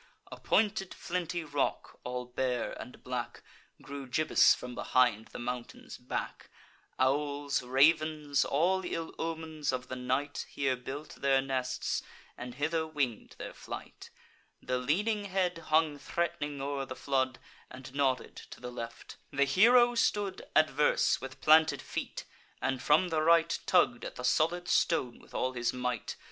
A pointed flinty rock, all bare and black, Grew gibbous from behind the mountain's back; Owls, ravens, all ill omens of the night, Here built their nests, and hither wing'd their flight. The leaning head hung threat'ning o'er the flood, And nodded to the left. The hero stood Adverse, with planted feet, and, from the right, Tugg'd at the solid stone with all his might.